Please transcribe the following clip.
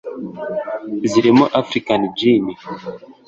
zirimo African Gin